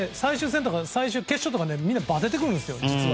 決勝とかみんなばててくるんですよ。